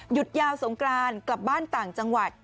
หยุดยาวสงกรานกลับบ้านต่างจังหวัด